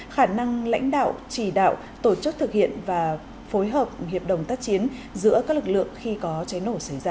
khả năng lãnh đạo chỉ đạo tổ chức thực hiện và phối hợp hiệp đồng tác chiến giữa các lực lượng khi có cháy nổ xảy ra